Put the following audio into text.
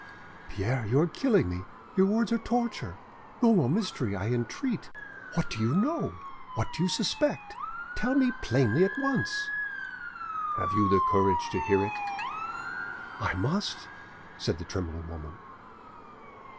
"Pierre, you are killing me; your words are torture. No more mystery, I entreat. What do you know? What do you suspect? Tell me plainly at once." "Have you courage to hear it?" "I must," said the trembling woman.